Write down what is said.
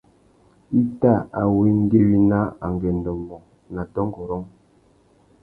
I tà awéngüéwina angüêndô mô nà dôngôrông.